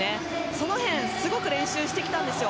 その辺をすごく練習してきたんですよ。